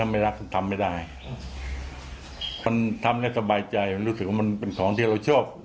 มันทำได้สบายใจมันรู้สึกว่ามันเป็นของที่เราชอบ